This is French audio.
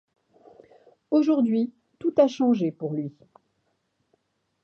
Aujourd'hui, tout a changé pour lui.